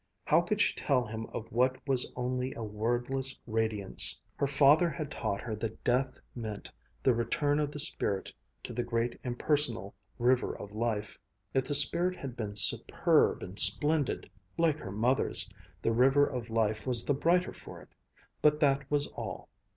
How could she tell him of what was only a wordless radiance? Her father had taught her that death meant the return of the spirit to the great, impersonal river of life. If the spirit had been superb and splendid, like her mother's, the river of life was the brighter for it, but that was all.